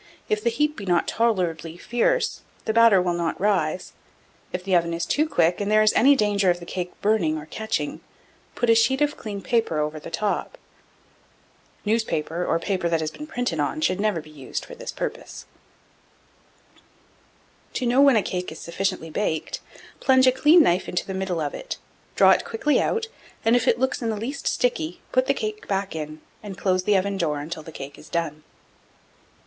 If the heat be not tolerably fierce, the batter will not rise. If the oven is too quick, and there is any danger of the cake burning or catching, put a sheet of clean paper over the top. Newspaper, or paper that has been printed on, should never be used for this purpose. 1710. To know when a cake is sufficiently baked, plunge a clean knife into the middle of it; draw it quickly out, and if it looks in the least sticky, put the cake back, and close the oven door until the cake is done.